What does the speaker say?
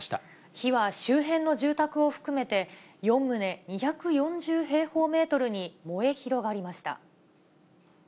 火は周辺の住宅を含めて、４棟２４０平方メートルに燃え広がりました。